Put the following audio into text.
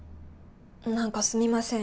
何かすみません